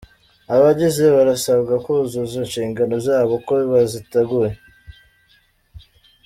Abagize barasabwa kuzuza inshingano zabo uko baziteguye